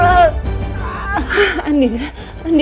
rauh lo kuda pemerintah